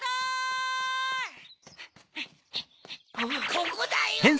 ここだよ。